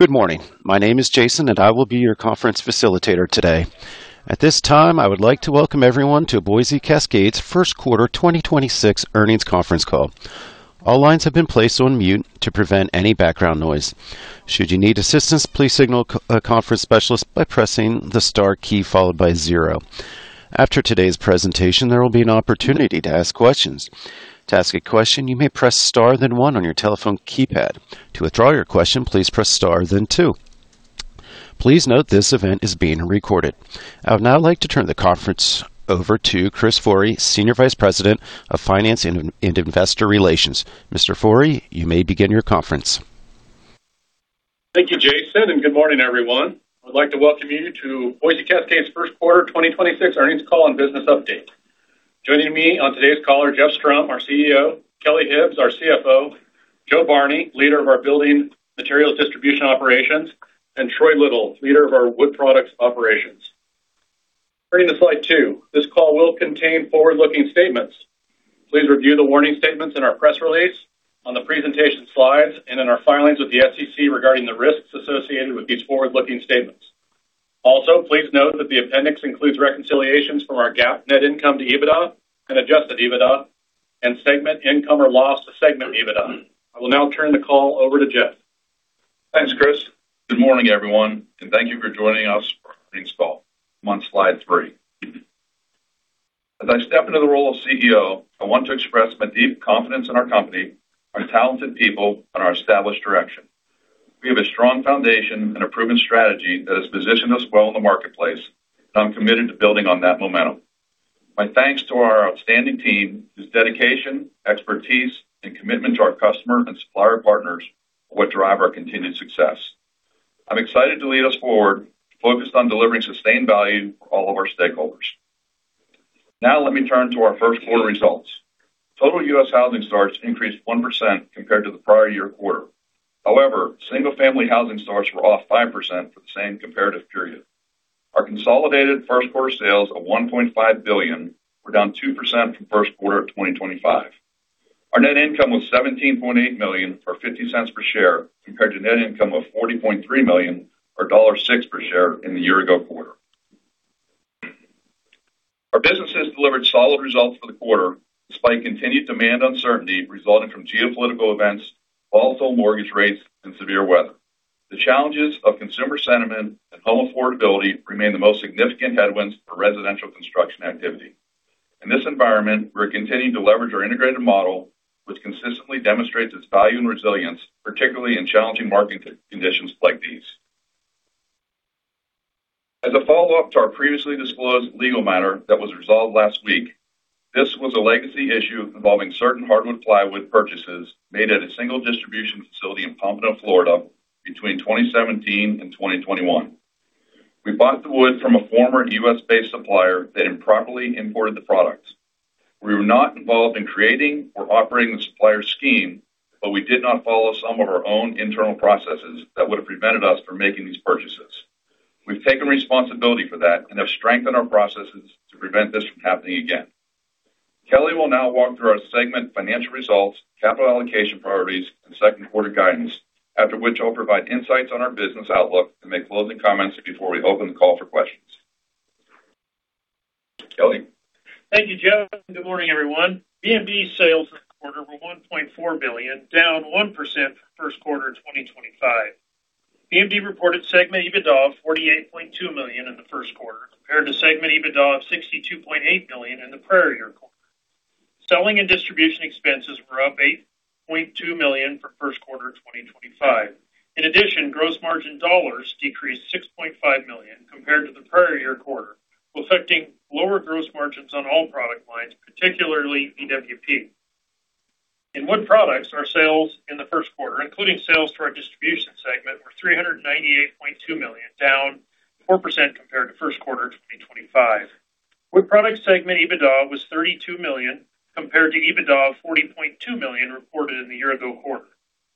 Good morning. My name is Jason, and I will be your conference facilitator today. At this time, I would like to welcome everyone to Boise Cascade's First Quarter 2026 Earnings Conference Call. All lines have been placed on mute to prevent any background noise. Should you need assistance, please signal a conference specialist by pressing the star key followed by zero. After today's presentation, there will be an opportunity to ask questions. To ask a question, you may press star then one on your telephone keypad. To withdraw your question, please press star then two. Please note this event is being recorded. I would now like to turn the conference over to Chris Forrey, Senior Vice President of Finance and Investor Relations. Mr. Forrey, you may begin your conference. Thank you, Jason. Good morning, everyone. I'd like to welcome you to Boise Cascade's first quarter 2026 earnings call and business update. Joining me on today's call are Jeff Strom, our CEO, Kelly Hibbs, our CFO, Jo Barney, leader of the Building Materials Distribution operations, and Troy Little, leader of our Wood Products operations. Turning to slide two. This call will contain forward-looking statements. Please review the warning statements in our press release, on the presentation slides, and in our filings with the SEC regarding the risks associated with these forward-looking statements. Please note that the appendix includes reconciliations from our GAAP net income to EBITDA and adjusted EBITDA and segment income or loss to segment EBITDA. I will now turn the call over to Jeff. Thanks, Chris. Good morning, everyone, and thank you for joining us for our earnings call. I'm on slide three. As I step into the role of CEO, I want to express my deep confidence in our company, our talented people, and our established direction. We have a strong foundation and a proven strategy that has positioned us well in the marketplace, and I'm committed to building on that momentum. My thanks to our outstanding team, whose dedication, expertise, and commitment to our customer and supplier partners are what drive our continued success. I'm excited to lead us forward, focused on delivering sustained value for all of our stakeholders. Now let me turn to our first quarter results. Total U.S. housing starts increased 1% compared to the prior year quarter. However, single-family housing starts were off 5% for the same comparative period. Our consolidated first quarter sales of $1.5 billion were down 2% from first quarter of 2025. Our net income was $17.8 million or $0.50 per share, compared to net income of $40.3 million or $1.06 per share in the year-ago quarter. Our business has delivered solid results for the quarter, despite continued demand uncertainty resulting from geopolitical events, volatile mortgage rates, and severe weather. The challenges of consumer sentiment and home affordability remain the most significant headwinds for residential construction activity. In this environment, we're continuing to leverage our integrated model, which consistently demonstrates its value and resilience, particularly in challenging market conditions like these. As a follow-up to our previously disclosed legal matter that was resolved last week, this was a legacy issue involving certain hardwood plywood purchases made at a single distribution facility in Pompano, Florida, between 2017 and 2021. We bought the wood from a former U.S.-based supplier that improperly imported the products. We were not involved in creating or operating the supplier's scheme, but we did not follow some of our own internal processes that would have prevented us from making these purchases. We've taken responsibility for that and have strengthened our processes to prevent this from happening again. Kelly will now walk through our segment financial results, capital allocation priorities, and second quarter guidance, after which I'll provide insights on our business outlook and make closing comments before we open the call for questions. Kelly? Thank you, Jeff. Good morning, everyone. BMD sales this quarter were $1.4 billion, down 1% for first quarter of 2025. BMD reported segment EBITDA of $48.2 million in the first quarter, compared to segment EBITDA of $62.8 million in the prior year quarter. Selling and distribution expenses were up $8.2 million from first quarter of 2025. Gross margin dollars decreased $6.5 million compared to the prior year quarter, affecting lower gross margins on all product lines, particularly EWP. In Wood Products, our sales in the first quarter, including sales to our distribution segment, were $398.2 million, down 4% compared to first quarter 2025. Wood Products segment EBITDA was $32 million, compared to EBITDA of $40.2 million reported in the year-ago quarter.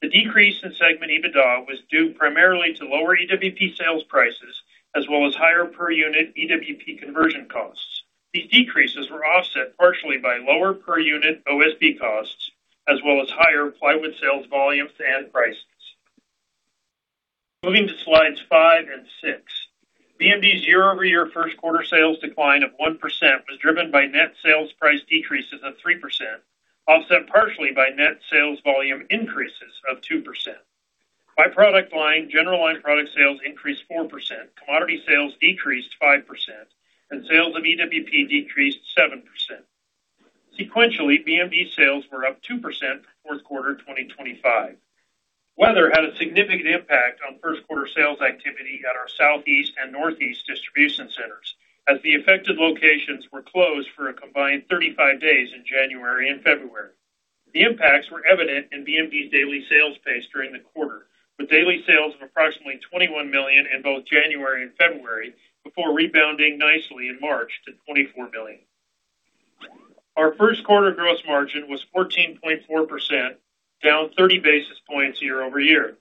The decrease in segment EBITDA was due primarily to lower EWP sales prices as well as higher per unit EWP conversion costs. These decreases were offset partially by lower per unit OSB costs as well as higher plywood sales volumes and prices. Moving to slides five and six. BMD's year-over-year first quarter sales decline of 1% was driven by net sales price decreases of 3%, offset partially by net sales volume increases of 2%. By product line, general line product sales increased 4%, commodity sales decreased 5%, and sales of EWP decreased 7%. Sequentially, BMD sales were up 2% from fourth quarter of 2025. Weather had a significant impact on first quarter sales activity at our Southeast and Northeast distribution centers, as the affected locations were closed for a combined 35 days in January and February. The impacts were evident in BMD's daily sales pace during the quarter, with daily sales of approximately $21 million in both January and February before rebounding nicely in March to $24 million. Our first quarter gross margin was 14.4%, down 30 basis points year-over-year.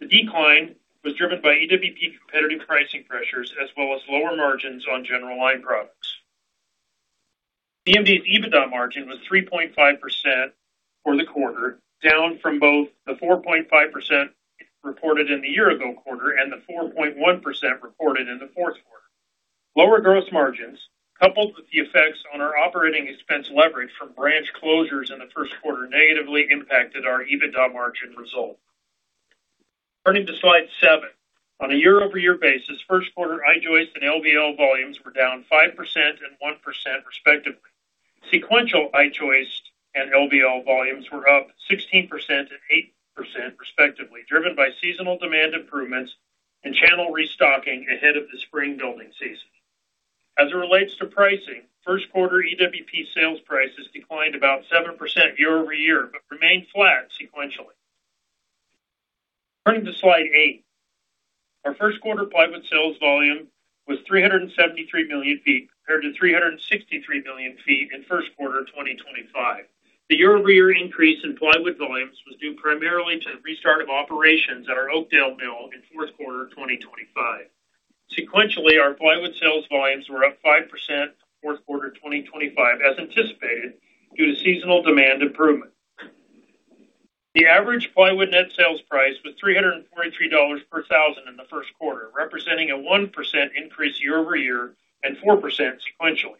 The decline was driven by EWP competitive pricing pressures as well as lower margins on general line products. BMD's EBITDA margin was 3.5% for the quarter, down from both the 4.5% reported in the year-ago quarter and the 4.1% reported in the fourth quarter. Lower gross margins, coupled with the effects on our operating expense leverage from branch closures in the first quarter, negatively impacted our EBITDA margin result. Turning to slide seven. On a year-over-year basis, first quarter I-joist and LVL volumes were down 5% and 1% respectively. Sequential I-joist and LVL volumes were up 16% and 8% respectively, driven by seasonal demand improvements and channel restocking ahead of the spring building season. As it relates to pricing, first quarter EWP sales prices declined about 7% year-over-year but remained flat sequentially. Turning to slide eight. Our first quarter plywood sales volume was 373 million feet compared to 363 million feet in first quarter 2025. The year-over-year increase in plywood volumes was due primarily to the restart of operations at our Oakdale mill in fourth quarter 2025. Sequentially, our plywood sales volumes were up 5% fourth quarter 2025, as anticipated, due to seasonal demand improvement. The average plywood net sales price was $343 per thousand in the first quarter, representing a 1% increase year-over-year and 4% sequentially.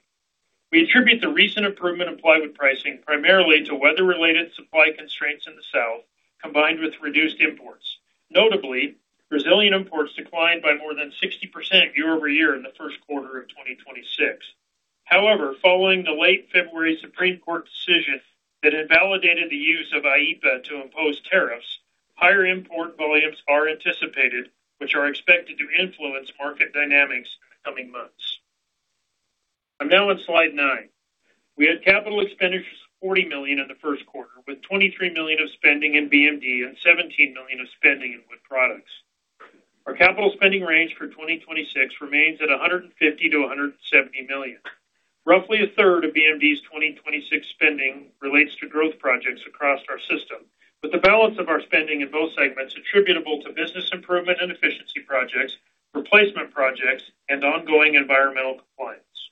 We attribute the recent improvement in plywood pricing primarily to weather-related supply constraints in the South, combined with reduced imports. Notably, Brazilian imports declined by more than 60% year-over-year in the first quarter of 2026. However, following the late February Supreme Court decision that invalidated the use of IEEPA to impose tariffs, higher import volumes are anticipated, which are expected to influence market dynamics in the coming months. I'm now on slide nine. We had capital expenditures of $40 million in the first quarter, with $23 million of spending in BMD and $17 million of spending in Wood Products. Our capital spending range for 2026 remains at $150 million-$170 million. Roughly a third of BMD's 2026 spending relates to growth projects across our system, with the balance of our spending in both segments attributable to business improvement and efficiency projects, replacement projects, and ongoing environmental compliance.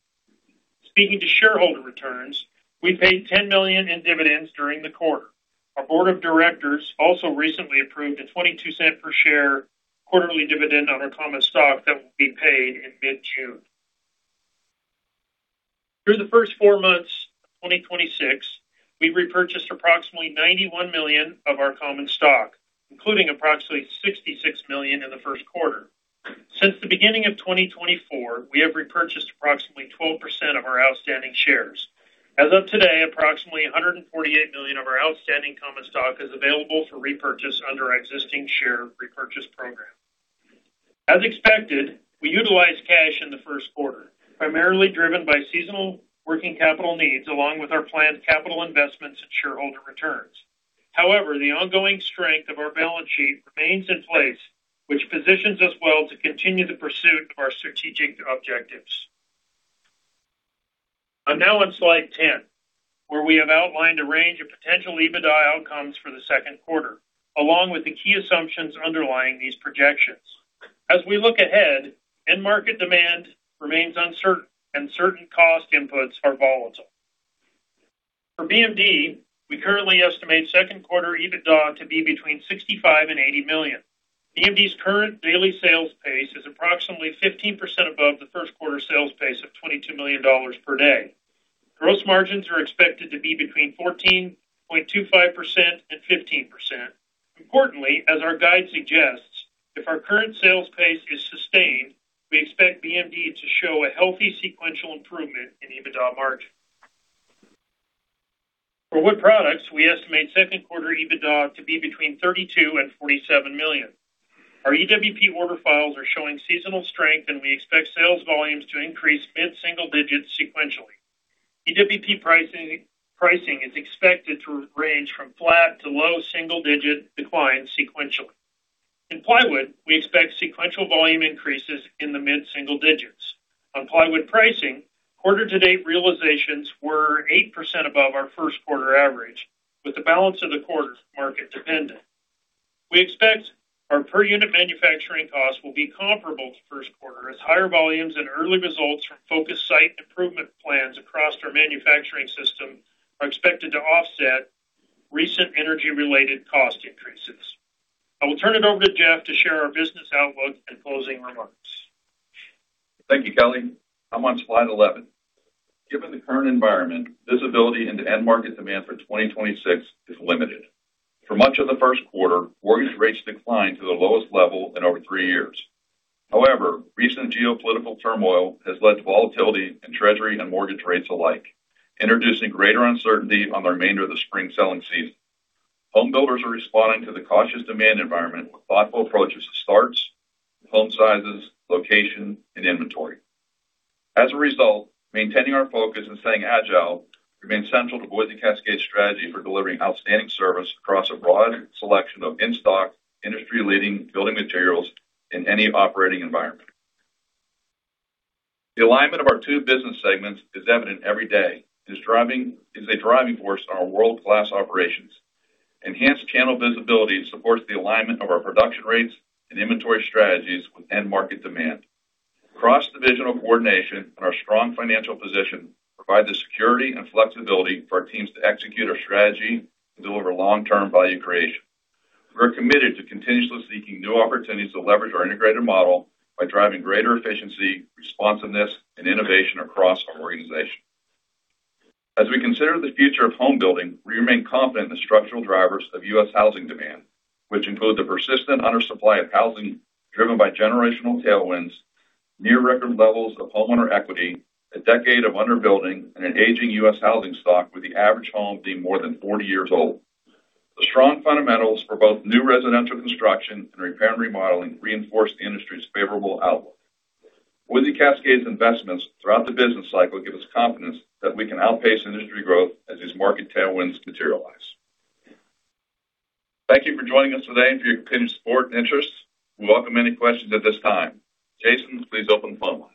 Speaking to shareholder returns, we paid $10 million in dividends during the quarter. Our board of directors also recently approved a $0.22 per share quarterly dividend on our common stock that will be paid in mid-June. Through the first four months of 2026, we repurchased approximately $91 million of our common stock, including approximately $66 million in the first quarter. Since the beginning of 2024, we have repurchased approximately 12% of our outstanding shares. As of today, approximately $148 million of our outstanding common stock is available for repurchase under our existing share repurchase program. As expected, we utilized cash in the first quarter, primarily driven by seasonal working capital needs, along with our planned capital investments and shareholder returns. However, the ongoing strength of our balance sheet remains in place, which positions us well to continue the pursuit of our strategic objectives. I'm now on slide 10, where we have outlined a range of potential EBITDA outcomes for the second quarter, along with the key assumptions underlying these projections. As we look ahead, end market demand remains uncertain, and certain cost inputs are volatile. For BMD, we currently estimate second quarter EBITDA to be between $65 million and $80 million. BMD's current daily sales pace is approximately 15% above the first quarter sales pace of $22 million per day. Gross margins are expected to be between 14.25% and 15%. Importantly, as our guide suggests, if our current sales pace is sustained, we expect BMD to show a healthy sequential improvement in EBITDA margin. For Wood Products, we estimate second quarter EBITDA to be between $32 million-$47 million. Our EWP order files are showing seasonal strength, we expect sales volumes to increase mid-single digits sequentially. EWP pricing is expected to range from flat to low single-digit decline sequentially. In plywood, we expect sequential volume increases in the mid-single digits. On plywood pricing, quarter-to-date realizations were 8% above our first quarter average, with the balance of the quarter market dependent. We expect our per-unit manufacturing costs will be comparable to first quarter, as higher volumes and early results from focused site improvement plans across our manufacturing system are expected to offset recent energy-related cost increases. I will turn it over to Jeff to share our business outlook and closing remarks. Thank you, Kelly. I'm on slide 11. Given the current environment, visibility into end market demand for 2026 is limited. For much of the first quarter, mortgage rates declined to the lowest level in over three years. Recent geopolitical turmoil has led to volatility in Treasury and mortgage rates alike, introducing greater uncertainty on the remainder of the spring selling season. Home builders are responding to the cautious demand environment with thoughtful approaches to starts, home sizes, location, and inventory. Maintaining our focus and staying agile remains central to Boise Cascade's strategy for delivering outstanding service across a broad selection of in-stock, industry-leading Building Materials in any operating environment. The alignment of our two business segments is evident every day, and is a driving force in our world-class operations. Enhanced channel visibility supports the alignment of our production rates and inventory strategies with end market demand. Cross-divisional coordination and our strong financial position provide the security and flexibility for our teams to execute our strategy and deliver long-term value creation. We are committed to continuously seeking new opportunities to leverage our integrated model by driving greater efficiency, responsiveness, and innovation across our organization. As we consider the future of home building, we remain confident in the structural drivers of U.S. housing demand, which include the persistent undersupply of housing driven by generational tailwinds, near-record levels of homeowner equity, a decade of under-building, and an aging U.S. housing stock with the average home being more than 40 years old. The strong fundamentals for both new residential construction and repair and remodeling reinforce the industry's favorable outlook. Boise Cascade's investments throughout the business cycle give us confidence that we can outpace industry growth as these market tailwinds materialize. Thank you for joining us today and for your continued support and interest. We welcome any questions at this time. Jason, please open the phone line.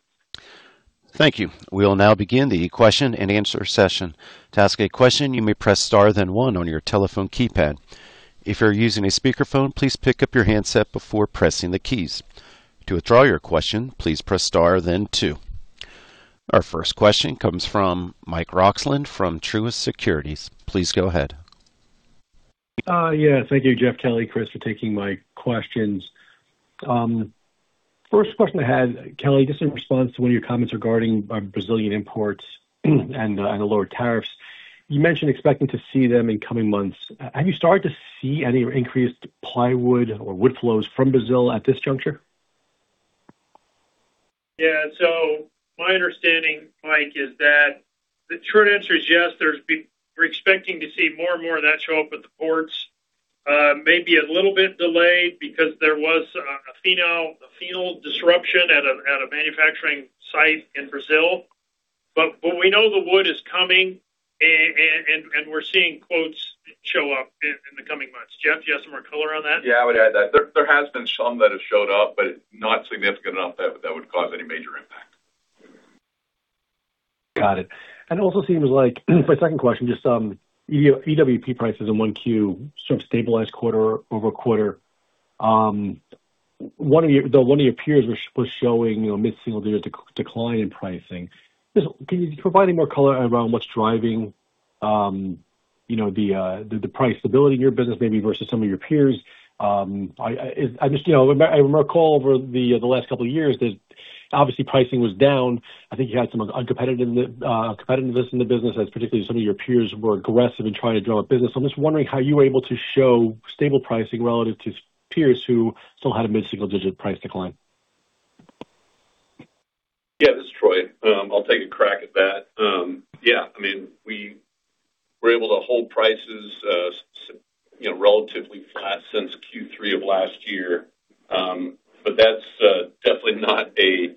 Thank you. We will now begin the question-and-answer session. To ask a question you may press star then one on your telephone keypad. If you're using a speakerphone please pick-up your handset before pressing the keys. To withdraw your question please press star then two. Our first question comes from Mike Roxland from Truist Securities. Please go ahead. Yeah. Thank you, Jeff, Kelly, Chris, for taking my questions. First question I had, Kelly, just in response to one of your comments regarding our Brazilian imports and the lower tariffs. You mentioned expecting to see them in coming months. Have you started to see any increased plywood or wood flows from Brazil at this juncture? Yeah. My understanding, Mike, is that the short answer is yes. We're expecting to see more and more of that show up at the ports. Maybe a little bit delayed because there was a phenol disruption at a manufacturing site in Brazil. We know the wood is coming and we're seeing quotes show up in the coming months. Jeff, do you have some more color on that? Yeah, I would add that there has been some that have showed up, but not significant enough that that would cause any major impact. Got it. It also seems like, for the second question, EWP prices in 1Q sort of stabilized quarter-over-quarter. Though one of your peers was showing, you know, mid-single-digit decline in pricing. Just can you provide any more color around what's driving, you know, the price stability in your business maybe versus some of your peers? I just, you know, I recall over the last couple of years that obviously pricing was down. I think you had some uncompetitive competitiveness in the business as particularly some of your peers were aggressive in trying to grow up business. I'm just wondering how you were able to show stable pricing relative to peers who still had a mid-single-digit price decline. This is Troy. I'll take a crack at that. I mean, we were able to hold prices, you know, relatively flat since Q3 of last year. That's definitely not a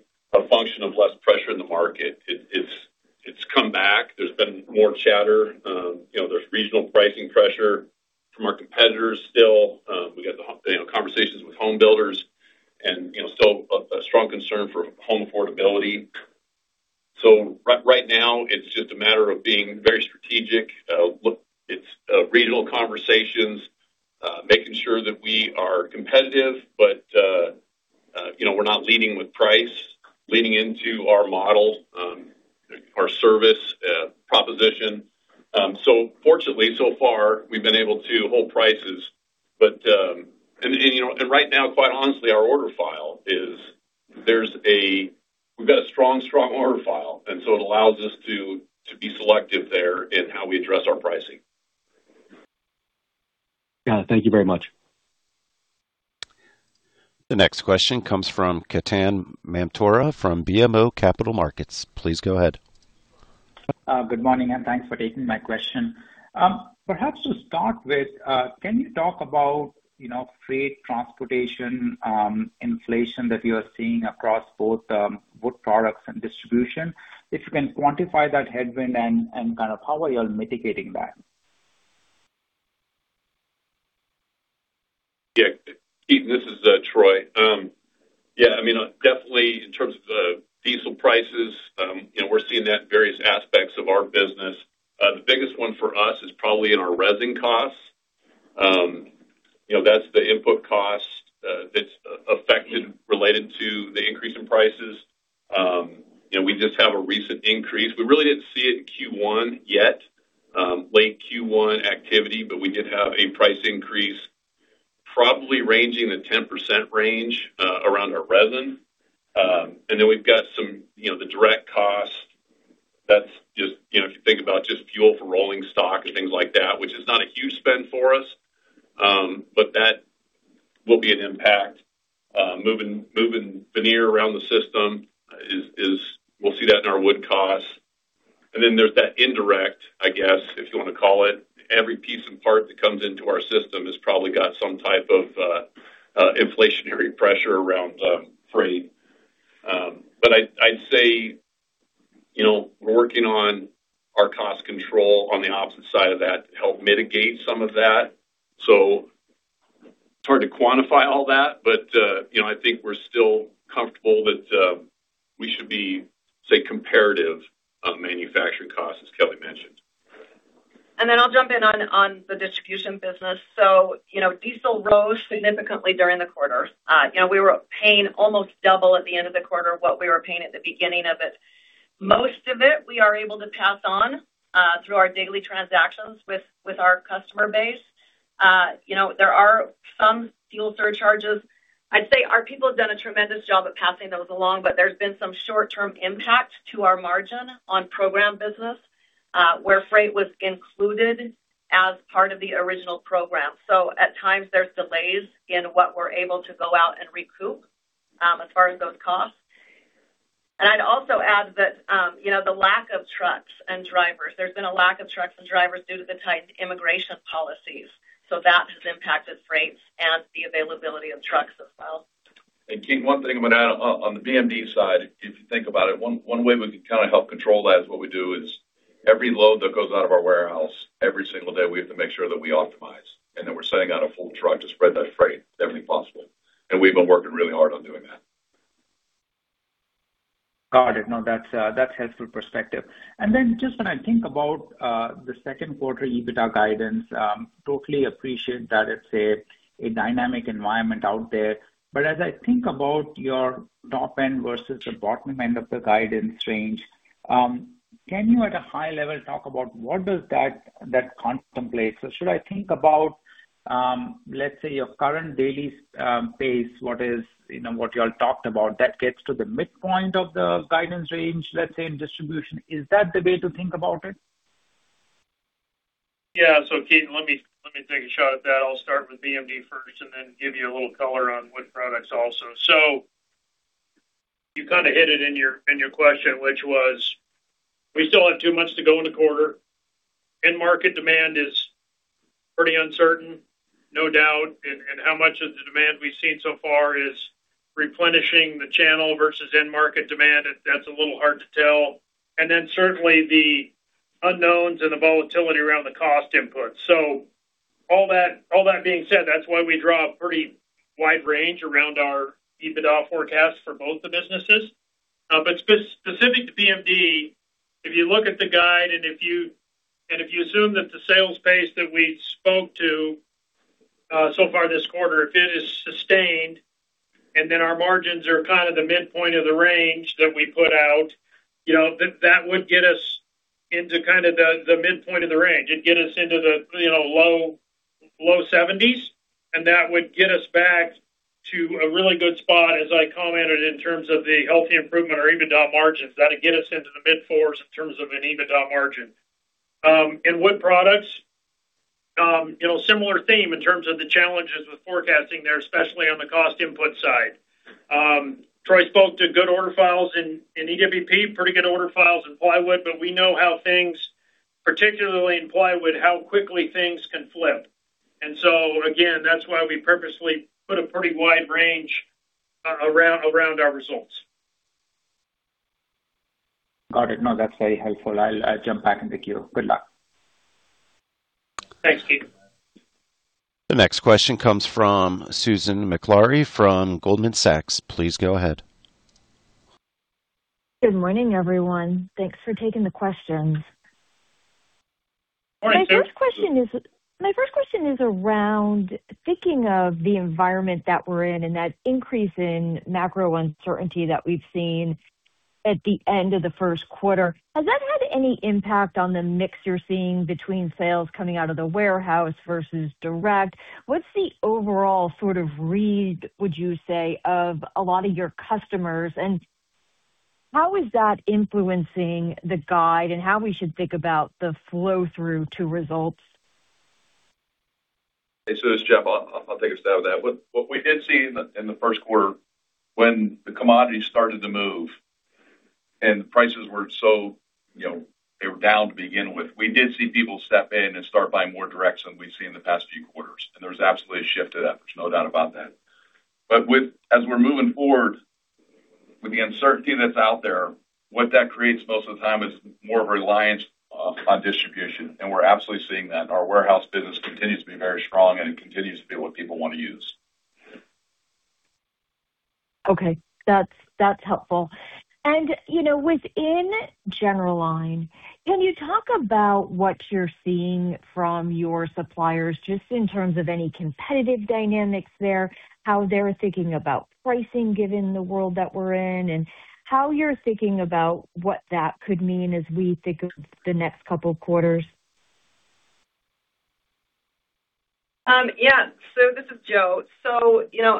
function of less pressure in the market. It's come back. There's been more chatter. You know, there's regional pricing pressure from our competitors still. We got the, you know, conversations with home builders and, you know, still a strong concern for home affordability. Right now, it's just a matter of being very strategic. Look, it's regional conversations, making sure that we are competitive, but, you know, we're not leading with price, leading into our model, our service proposition. Fortunately, so far, we've been able to hold prices. You know, right now, quite honestly, our order file is we've got a strong order file. It allows us to be selective there in how we address our pricing. Got it. Thank you very much. The next question comes from Ketan Mamtora from BMO Capital Markets. Please go ahead. Good morning, and thanks for taking my question. Perhaps to start with, can you talk about, you know, freight transportation, inflation that you are seeing across both, Wood Products and distribution? If you can quantify that headwind and kind of how are y'all mitigating that? Ketan, this is Troy. I mean, definitely in terms of diesel prices, you know, we're seeing that in various aspects of our business. The biggest one for us is probably in our resin costs. You know, that's the input cost that's affected related to the increase in prices. You know, we just have a recent increase. We really didn't see it in Q1 yet, late Q1 activity, but we did have a price increase probably ranging the 10% range around our resin. And then we've got some, you know, the direct cost that's just, you know, if you think about just fuel for rolling stock and things like that, which is not a huge spend for us, but that will be an impact. Moving veneer around the system is we'll see that in our wood costs. Then there's that indirect, I guess, if you want to call it, every piece and part that comes into our system has probably got some type of inflationary pressure around freight. I'd say, you know, we're working on our cost control on the opposite side of that to help mitigate some of that. It's hard to quantify all that, but, you know, I think we're still comfortable that we should be, say, comparative on manufacturing costs, as Kelly mentioned. I'll jump in on the distribution business. You know, diesel rose significantly during the quarter. You know, we were paying almost double at the end of the quarter what we were paying at the beginning of it. Most of it, we are able to pass on through our daily transactions with our customer base. You know, there are some fuel surcharges. I'd say our people have done a tremendous job at passing those along, but there's been some short-term impact to our margin on program business where freight was included as part of the original program. At times, there's delays in what we're able to go out and recoup as far as those costs. I'd also add that, you know, the lack of trucks and drivers. There's been a lack of trucks and drivers due to the tight immigration policies. That has impacted rates and the availability of trucks as well. Ketan, one thing I'm gonna add on the BMD side, if you think about it, one way we can kind of help control that is what we do is every load that goes out of our warehouse, every single day, we have to make sure that we optimize and that we're sending out a full truck to spread that freight if anything possible. We've been working really hard on doing that. Got it. No, that's helpful perspective. Just when I think about the second quarter EBITDA guidance, totally appreciate that it's a dynamic environment out there. As I think about your top end versus the bottom end of the guidance range, can you at a high level talk about what does that contemplate? Should I think about, let's say, your current daily pace? What is, you know, what you all talked about that gets to the midpoint of the guidance range, let's say, in distribution. Is that the way to think about it? Ketan, let me take a shot at that. I'll start with BMD first and then give you a little color on Wood Products also. You kind of hit it in your question, which was, we still have two months to go in the quarter. End market demand is pretty uncertain, no doubt. How much of the demand we've seen so far is replenishing the channel versus end market demand, that's a little hard to tell. Certainly the unknowns and the volatility around the cost input. All that being said, that's why we draw a pretty wide range around our EBITDA forecast for both the businesses. Specific to BMD, if you look at the guide, and if you assume that the sales pace that we spoke to so far this quarter, if it is sustained, and then our margins are kind of the midpoint of the range that we put out, you know, that would get us into kind of the midpoint of the range. It'd get us into the, you know, low 70s, and that would get us back to a really good spot, as I commented, in terms of the healthy improvement or EBITDA margins. That'd get us into the mid-4s in terms of an EBITDA margin. In Wood Products, you know, similar theme in terms of the challenges with forecasting there, especially on the cost input side. Troy spoke to good order files in EWP, pretty good order files in plywood, but we know how things, particularly in plywood, how quickly things can flip. Again, that's why we purposely put a pretty wide range around our results. Got it. No, that's very helpful. I'll jump back in the queue. Good luck. Thanks, Ketan. The next question comes from Susan Maklari from Goldman Sachs. Please go ahead. Good morning, everyone. Thanks for taking the questions. Good morning, Susan. My first question is around thinking of the environment that we're in and that increase in macro uncertainty that we've seen at the end of the first quarter. Has that had any impact on the mix you're seeing between sales coming out of the warehouse versus direct? What's the overall sort of read, would you say, of a lot of your customers? How is that influencing the guide and how we should think about the flow through to results? Hey, Sue, this is Jeff. I'll take a stab at that. What we did see in the first quarter when the commodities started to move and the prices were so, you know, they were down to begin with. We did see people step in and start buying more direct than we've seen in the past few quarters. There was absolutely a shift to that. There's no doubt about that. As we're moving forward, with the uncertainty that's out there, what that creates most of the time is more reliance on distribution, and we're absolutely seeing that. Our warehouse business continues to be very strong, and it continues to be what people want to use. Okay. That's helpful. You know, within general line, can you talk about what you're seeing from your suppliers just in terms of any competitive dynamics there? How they're thinking about pricing given the world that we're in, and how you're thinking about what that could mean as we think of the next couple of quarters? Yeah. This is Jo.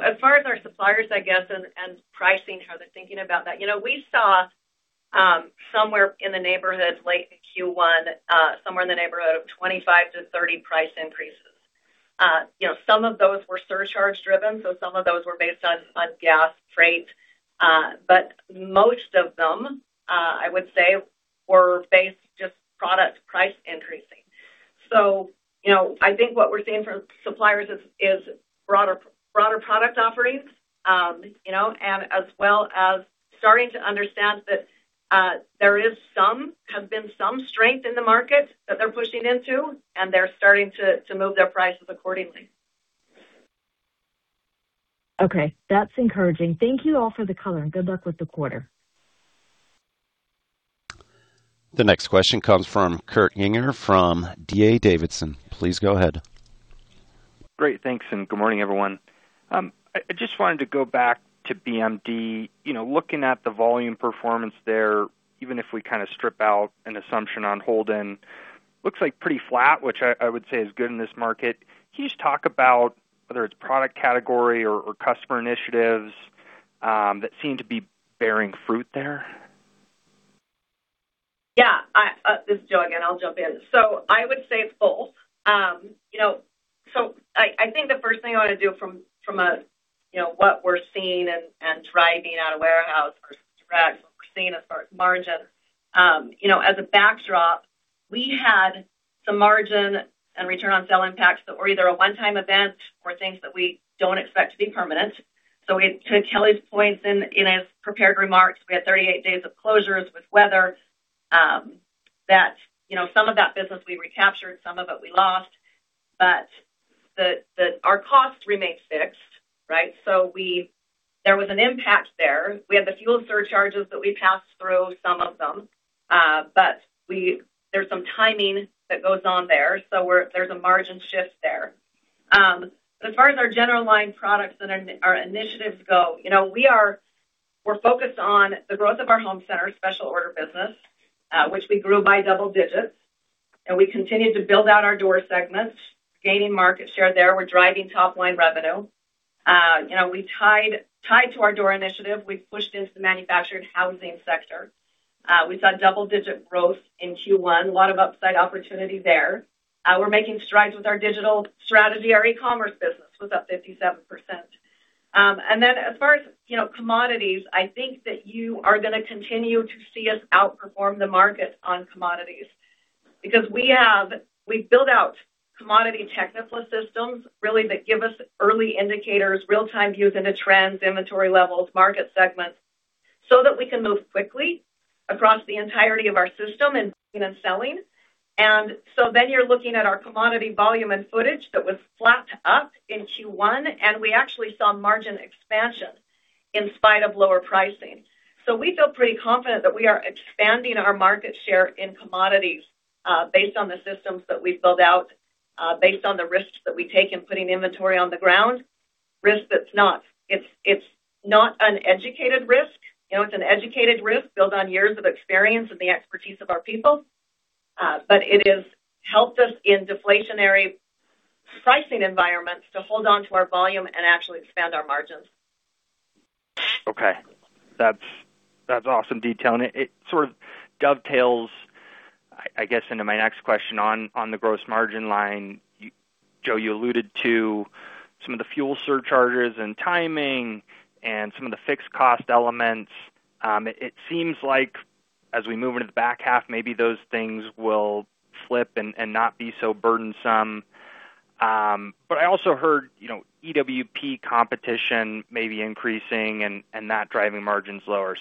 As far as our suppliers, I guess, and pricing, how they're thinking about that. We saw, somewhere in the neighborhood, late in Q1, somewhere in the neighborhood of 25-30 price increases. Some of those were surcharge driven, some of those were based on gas, freight. Most of them, I would say were based just product price increasing. I think what we're seeing from suppliers is broader our product offerings, and as well as starting to understand that there has been some strength in the market that they're pushing into, and they're starting to move their prices accordingly. Okay. That's encouraging. Thank you all for the color, and good luck with the quarter. The next question comes from Kurt Yinger from D.A. Davidson. Please go ahead. Great. Thanks. Good morning, everyone. I just wanted to go back to BMD. You know, looking at the volume performance there, even if we kind of strip out an assumption on Holden, looks like pretty flat, which I would say is good in this market. Can you just talk about whether it's product category or customer initiatives that seem to be bearing fruit there? Yeah. This is Jo again. I'll jump in. I would say it's both. You know, I think the first thing I want to do from a, you know, what we're seeing and driving out of warehouse versus what we're seeing as far as margin. You know, as a backdrop, we had some margin and return on sale impacts that were either a one-time event or things that we don't expect to be permanent. To Kelly's points in his prepared remarks, we had 38 days of closures with weather, that, you know, some of that business we recaptured, some of it we lost, but our costs remain fixed, right? There was an impact there. We had the fuel surcharges that we passed through some of them, but there's some timing that goes on there. There's a margin shift there. But as far as our general line products and our initiatives go, you know, we're focused on the growth of our home center special order business, which we grew by double digits, and we continued to build out our door segments, gaining market share there. We're driving top-line revenue. You know, we tied to our door initiative, we pushed into the manufactured housing sector. We saw double-digit growth in Q1. A lot of upside opportunity there. We're making strides with our digital strategy. Our e-commerce business was up 57%. Then as far as, you know, commodities, I think that you are going to continue to see us outperform the market on commodities because we've built out commodity technical systems really that give us early indicators, real-time views into trends, inventory levels, market segments, so that we can move quickly across the entirety of our system in buying and selling. Then you're looking at our commodity volume and footage that was flat up in Q1, and we actually saw margin expansion in spite of lower pricing. We feel pretty confident that we are expanding our market share in commodities, based on the systems that we've built out, based on the risks that we take in putting inventory on the ground. Risk that's not uneducated risk. You know, it's an educated risk built on years of experience and the expertise of our people, but it has helped us in deflationary pricing environments to hold onto our volume and actually expand our margins. Okay. That's awesome detail. It sort of dovetails, I guess, into my next question on the gross margin line. Jo, you alluded to some of the fuel surcharges and timing and some of the fixed cost elements. It seems like as we move into the back half, maybe those things will slip and not be so burdensome. I also heard, you know, EWP competition may be increasing and that driving margins lower.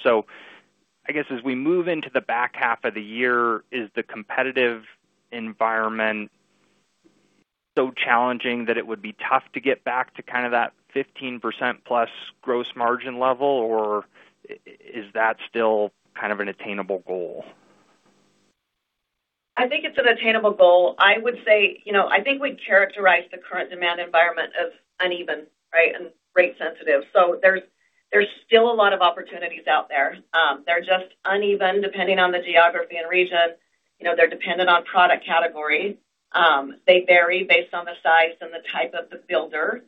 I guess, as we move into the back half of the year, is the competitive environment so challenging that it would be tough to get back to kind of that 15%+ gross margin level, or is that still kind of an attainable goal? I think it's an attainable goal. I would say, I think we'd characterize the current demand environment as uneven, right, and rate sensitive. There's still a lot of opportunities out there. They're just uneven depending on the geography and region. They're dependent on product category. They vary based on the size and the type of the builder.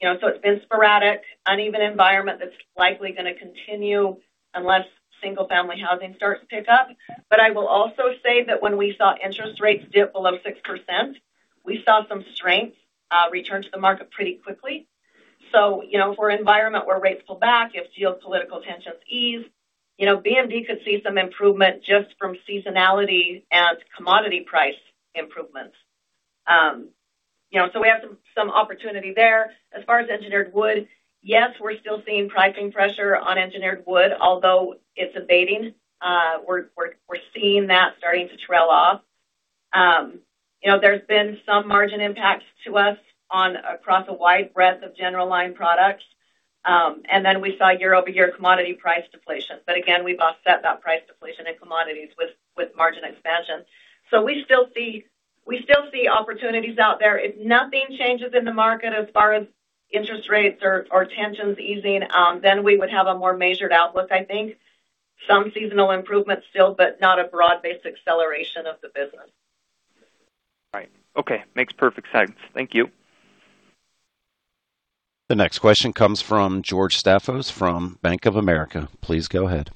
It's been sporadic, uneven environment that's likely gonna continue unless single-family housing starts to pick up. I will also say that when we saw interest rates dip below 6%, we saw some strength return to the market pretty quickly. If we're in an environment where rates pull back, if geopolitical tensions ease, BMD could see some improvement just from seasonality and commodity price improvements. You know, we have some opportunity there. As far as engineered wood, yes, we're still seeing pricing pressure on engineered wood, although it's abating. We're seeing that starting to trail off. You know, there's been some margin impacts to us on across a wide breadth of general line products. We saw year-over-year commodity price deflation. Again, we've offset that price deflation in commodities with margin expansion. We still see opportunities out there. If nothing changes in the market as far as interest rates or tensions easing, we would have a more measured outlook, I think. Some seasonal improvements still, not a broad-based acceleration of the business. Right. Okay. Makes perfect sense. Thank you. The next question comes from George Staphos from Bank of America. Please go ahead.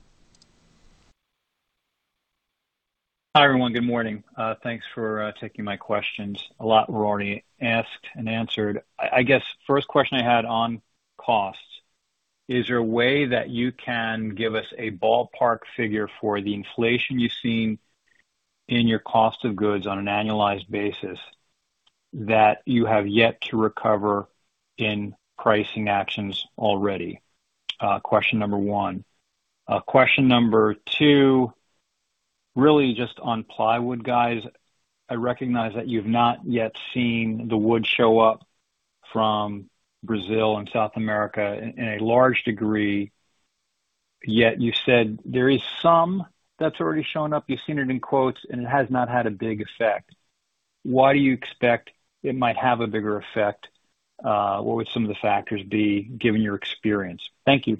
Hi, everyone. Good morning. Thanks for taking my questions. A lot were already asked and answered. I guess first question I had on costs. Is there a way that you can give us a ballpark figure for the inflation you've seen in your cost of goods on an annualized basis that you have yet to recover in pricing actions already? Question number one. Question number two, really just on plywood, guys. I recognize that you've not yet seen the wood show up from Brazil and South America in a large degree, yet you said there is some that's already shown up. You've seen it in quotes, and it has not had a big effect. Why do you expect it might have a bigger effect? What would some of the factors be given your experience? Thank you.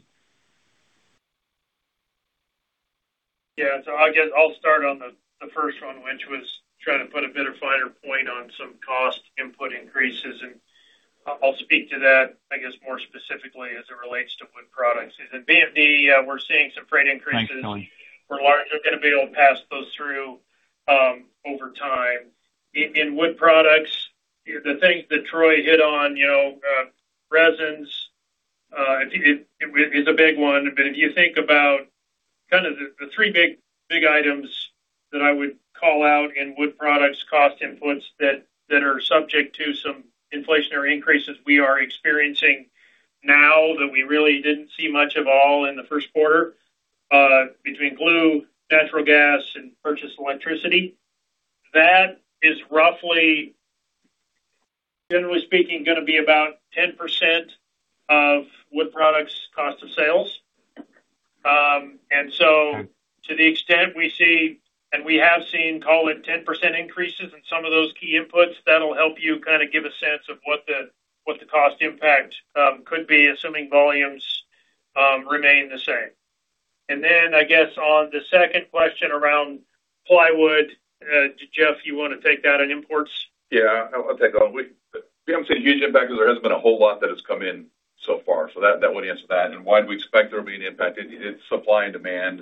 Yeah. I guess I'll start on the first one, which was trying to put a bit of finer point on some cost input increases, and I'll speak to that, I guess, more specifically as it relates to Wood Products. In BMD, we're seeing some freight increases. Thanks, Kelly. We're gonna be able to pass those through over time. In Wood Products, the things that Troy hit on, you know, resins, it is a big one. If you think about kind of the three big items that I would call out in Wood Products cost inputs that are subject to some inflationary increases we are experiencing now that we really didn't see much of all in the first quarter, between glue, natural gas, and purchased electricity. That is roughly, generally speaking, gonna be about 10% of Wood Products cost of sales. To the extent we see, and we have seen, call it 10% increases in some of those key inputs, that'll help you kind of give a sense of what the, what the cost impact, could be, assuming volumes, remain the same. I guess on the second question around plywood, Jeff, you want to take that on imports? Yeah. I'll take on. BMD is a huge impact because there hasn't been a whole lot that has come in so far. That, that would answer that. Why do we expect there will be an impact? It's supply and demand.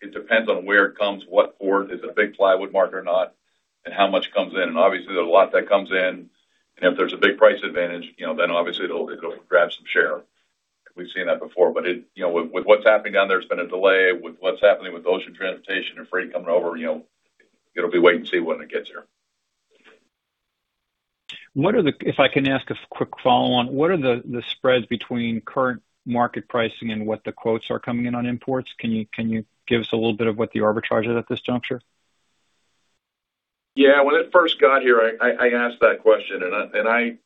It depends on where it comes, what port, is a big plywood market or not, and how much comes in. Obviously, there's a lot that comes in. If there's a big price advantage, you know, it'll grab some share. We've seen that before. It, you know, with what's happening down there's been a delay. With what's happening with ocean transportation and freight coming over, you know, it'll be wait and see when it gets here. If I can ask a quick follow on, what are the spreads between current market pricing and what the quotes are coming in on imports? Can you give us a little bit of what the arbitrage is at this juncture? When it first got here, I asked that question, and I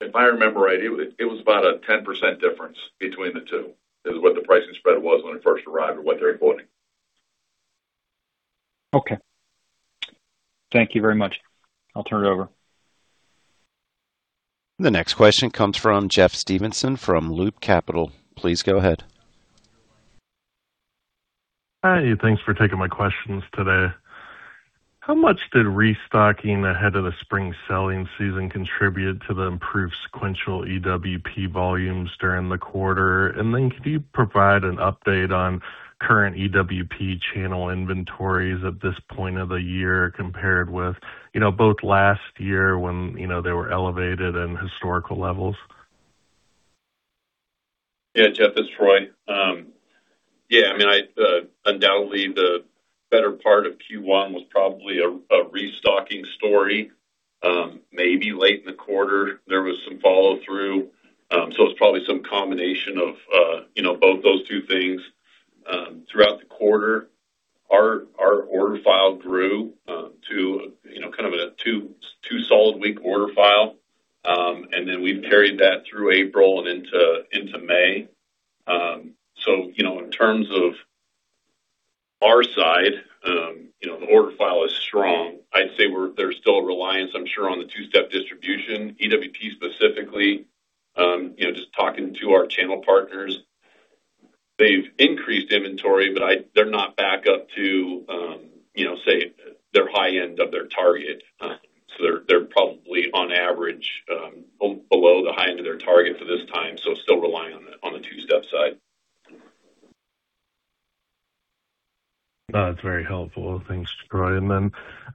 If I remember right, it was about a 10% difference between the two, is what the pricing spread was when it first arrived or what they're quoting. Okay. Thank you very much. I'll turn it over. The next question comes from Jeff Stevenson from Loop Capital. Please go ahead. Hi, thanks for taking my questions today. How much did restocking ahead of the spring selling season contribute to the improved sequential EWP volumes during the quarter? Could you provide an update on current EWP channel inventories at this point of the year compared with, you know, both last year when, you know, they were elevated and historical levels? Yeah. Jeff, it's Troy. Yeah, I mean, I undoubtedly the better part of Q1 was probably a restocking story. Maybe late in the quarter, there was some follow-through. It's probably some combination of, you know, both those two things. Throughout the quarter, our order file grew, to, you know, kind of a two solid week order file. We've carried that through April and into May.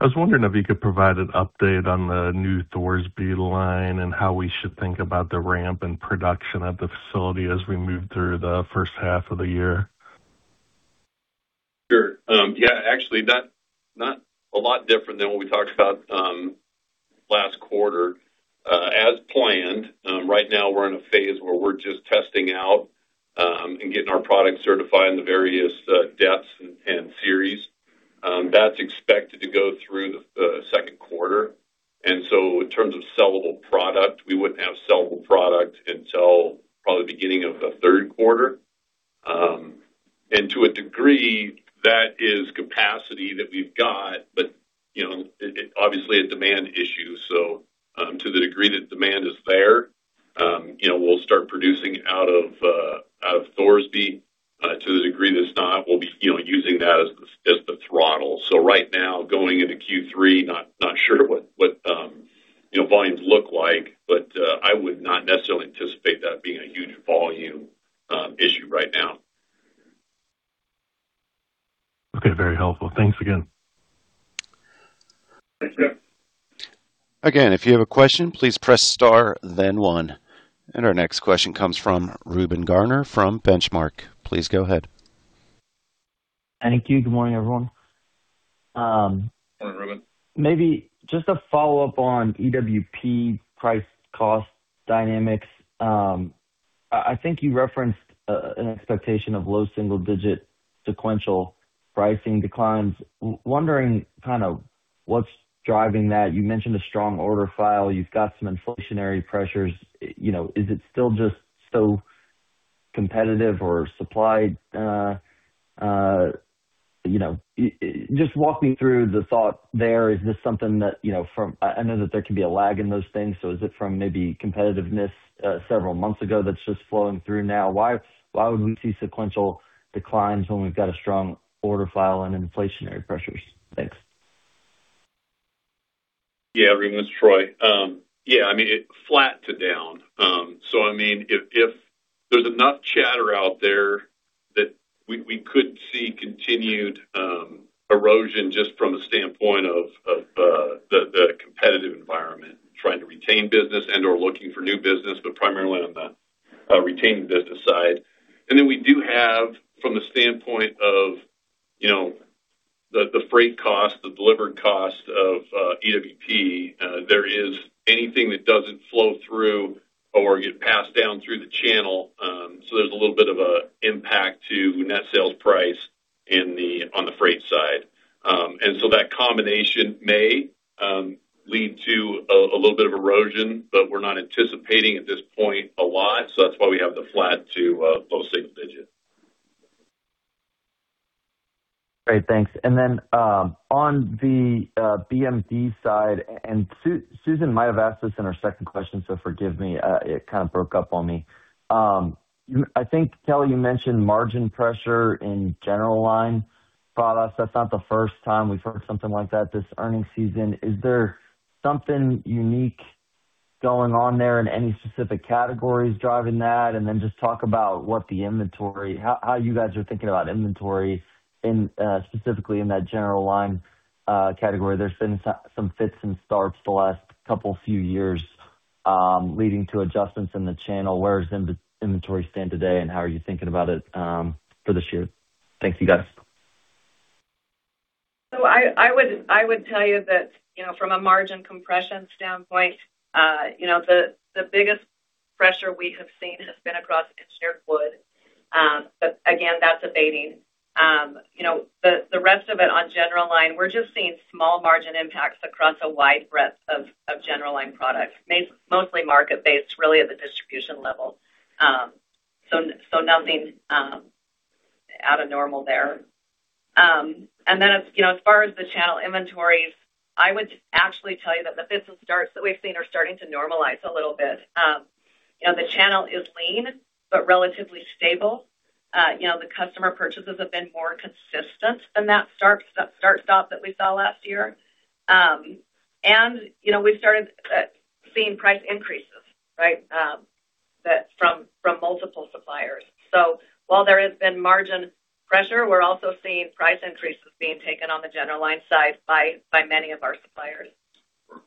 You know, in terms of our side, you know, the order file is strong. I'd say there's still a reliance, I'm sure, on the two-step distribution, EWP specifically. You know, just talking to our channel partners, they've increased inventory, but they're not back up to, you know, say, their high end of their target. They're probably on average, below the high end of their target for this time, so still relying on the two-step side. That's very helpful. Thanks, Troy. I was wondering if you could provide an update on the new Thorsby line and how we should think about the ramp and production at the facility as we move through the first half of the year. Sure. Yeah, actually, not a lot different than what we talked about last quarter. As planned, right now we're in a phase where we're just testing out and getting our products certified in the various depths and series. That's expected to go through the second quarter. In terms of sellable product, we wouldn't have sellable product until probably beginning of the third quarter. To a degree, that is capacity that we've got, but, you know, it obviously a demand issue. To the degree that demand is there, you know, we'll start producing out of out of Thorsby. To the degree that's not, we'll be, you know, using that as the as the throttle. Right now, going into Q3, not sure what, you know, volumes look like, but I would not necessarily anticipate that being a huge volume issue right now. Very helpful. Thanks again. Thank you. Again, if you have a question, please press star then one. Our next question comes from Reuben Garner from Benchmark. Please go ahead. Thank you. Good morning, everyone. Morning, Reuben. Maybe just a follow-up on EWP price cost dynamics. I think you referenced an expectation of low single-digit sequential pricing declines. Wondering kind of what's driving that. You mentioned a strong order file. You've got some inflationary pressures. You know, is it still just so competitive or supply, you know just walk me through the thought there. Is this something that, you know, from I know that there can be a lag in those things, so is it from maybe competitiveness, several months ago that's just flowing through now? Why, why would we see sequential declines when we've got a strong order file and inflationary pressures? Thanks. Yeah. Reuben, it's Troy. Yeah, I mean, it flat to down. I mean, if there's enough chatter out there that we could see continued erosion just from a standpoint of the competitive environment, trying to retain business and/or looking for new business, but primarily on the retaining business side. We do have from the standpoint of, you know, the freight cost, the delivered cost of EWP, there is anything that doesn't flow through or get passed down through the channel. There's a little bit of a impact to net sales price on the freight side. That combination may lead to a little bit of erosion, but we're not anticipating at this point a lot, that's why we have the flat to low single digit. Great. Thanks. On the BMD side, Susan might have asked this in her second question, so forgive me. It kind of broke up on me. I think, Kelly, you mentioned margin pressure in general line products. That's not the first time we've heard something like that this earning season. Is there something unique going on there in any specific categories driving that? Just talk about what the inventory, how you guys are thinking about inventory in specifically in that general line category. There's been some fits and starts the last couple, few years, leading to adjustments in the channel. Where does inventory stand today, and how are you thinking about it for this year? Thanks, you guys. I would tell you that, you know, from a margin compression standpoint, you know, the biggest pressure we have seen has been across engineered wood. Again, that's abating. You know, the rest of it on general line, we're just seeing small margin impacts across a wide breadth of general line products. Mostly market based really at the distribution level. Nothing out of normal there. As, you know, as far as the channel inventories, I would actually tell you that the fits and starts that we've seen are starting to normalize a little bit. You know, the channel is lean but relatively stable. You know, the customer purchases have been more consistent than that start stop that we saw last year. You know, we've started seeing price increases. That from multiple suppliers. While there has been margin pressure, we're also seeing price increases being taken on the general line side by many of our suppliers.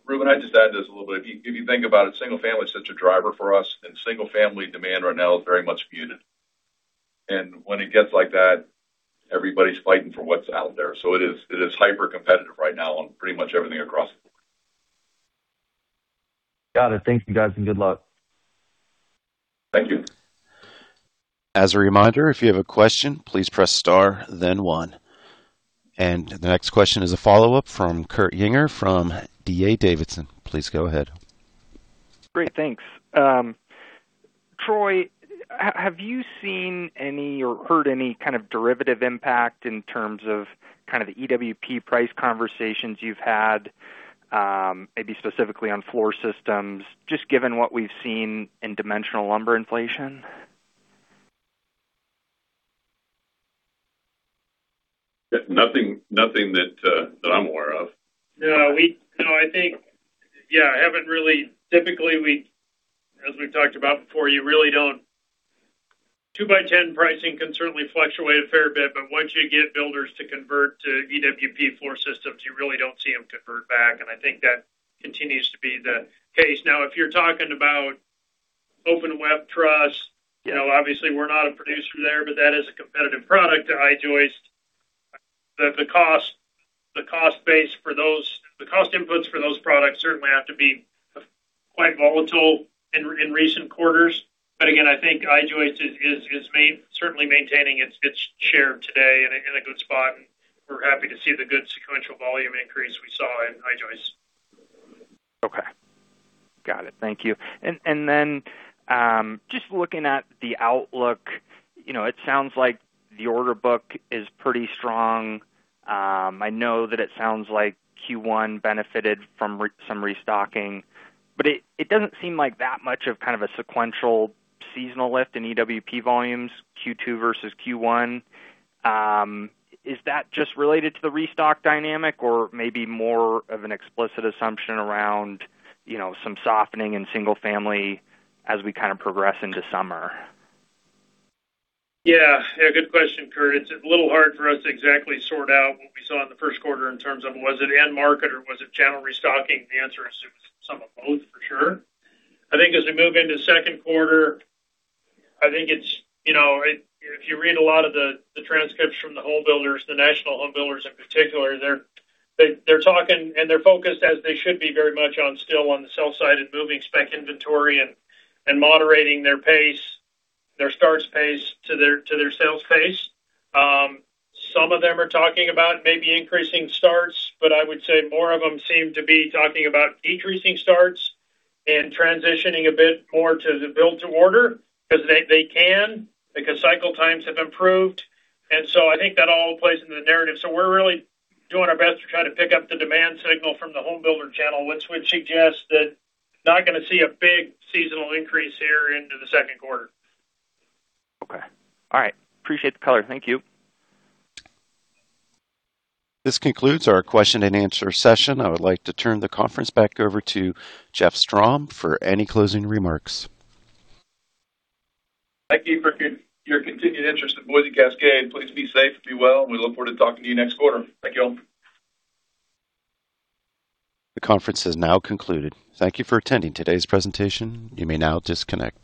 Reuben, I'd just add to this a little bit. If you think about it, single family is such a driver for us, and single family demand right now is very much muted. When it gets like that, everybody's fighting for what's out there. It is hypercompetitive right now on pretty much everything across the board. Got it. Thank you, guys, and good luck. Thank you. As a reminder, if you have a question, please press star then one. The next question is a follow-up from Kurt Yinger from D.A. Davidson. Please go ahead. Great. Thanks. Troy, have you seen any or heard any kind of derivative impact in terms of kind of the EWP price conversations you've had, maybe specifically on floor systems, just given what we've seen in dimensional lumber inflation? Nothing that I'm aware of. Typically, we, as we've talked about before, 2x10 pricing can certainly fluctuate a fair bit, but once you get builders to convert to EWP floor systems, you really don't see them convert back. I think that continues to be the case. If you're talking about open web trusses, you know, obviously we're not a producer there, but that is a competitive product to I-joist. The cost base for those, the cost inputs for those products certainly have to be quite volatile in recent quarters. Again, I think I-joist is certainly maintaining its share today in a good spot, and we're happy to see the good sequential volume increase we saw in I-joist. Okay. Got it. Thank you. Then, just looking at the outlook, you know, it sounds like the order book is pretty strong. I know that it sounds like Q1 benefited from some restocking, but it doesn't seem like that much of kind of a sequential seasonal lift in EWP volumes, Q2 versus Q1. Is that just related to the restock dynamic or maybe more of an explicit assumption around, you know, some softening in single family as we kind of progress into summer? Yeah. Yeah, good question, Kurt. It's a little hard for us to exactly sort out what we saw in the first quarter in terms of was it end market or was it general restocking? The answer is it was some of both for sure. I think as we move into second quarter, I think it's, you know, if you read a lot of the transcripts from the home builders, the national home builders in particular, they're talking and they're focused, as they should be, very much on still on the sell side and moving spec inventory and moderating their pace, their starts pace to their sales pace. Some of them are talking about maybe increasing starts, but I would say more of them seem to be talking about decreasing starts and transitioning a bit more to the build to order because they can, because cycle times have improved. I think that all plays into the narrative. We're really doing our best to try to pick up the demand signal from the home builder channel, which would suggest that not gonna see a big seasonal increase here into the second quarter. Okay. All right. Appreciate the color. Thank you. This concludes our question and answer session. I would like to turn the conference back over to Jeff Strom for any closing remarks. Thank you for your continued interest in Boise Cascade. Please be safe, be well, and we look forward to talking to you next quarter. Thank you all. The conference has now concluded. Thank you for attending today's presentation. You may now disconnect.